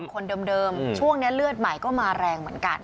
คนเดิมช่วงนี้เลือดใหม่ก็มาแรงเหมือนกัน